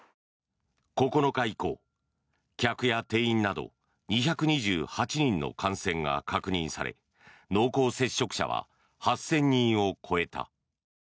９日以降、客や店員など２２８人の感染が確認され濃厚接触者は８０００人を超えた。